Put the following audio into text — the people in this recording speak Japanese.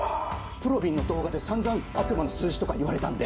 ぷろびんの動画で散々悪魔の数字とか言われたんで。